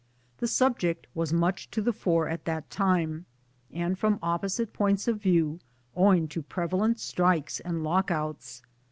The subject was much! to the fore at that time, and frorri opposite points of view, owing to prevalent strikes and lock outs.